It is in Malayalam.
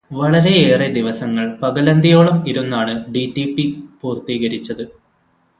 വളരെയേറെ ദിവസങ്ങൾ പകലന്തിയോളം ഇരുന്നാണ് ഡിറ്റിപി പൂർത്തീകരിച്ചത്.